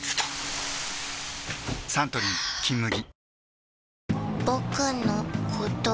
サントリー「金麦」